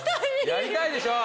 やりたいでしょう